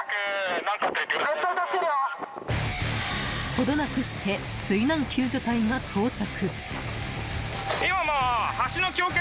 程なくして、水難救助隊が到着。